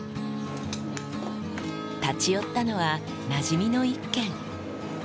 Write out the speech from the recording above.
立ち寄ったのは、なじみの一軒。